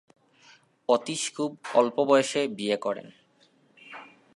অতীশ খুব অল্প বয়সে বিয়ে করেন।